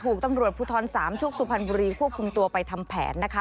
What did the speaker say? ถูกตำรวจภูทรสามชุกสุพรรณบุรีควบคุมตัวไปทำแผนนะคะ